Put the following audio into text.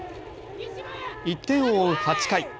１点を追う８回。